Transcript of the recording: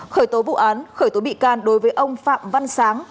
khởi tố vụ án khởi tố bị can đối với ông phạm văn sáng